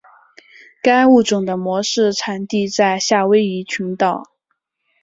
该物种的模式产地在夏威夷群岛。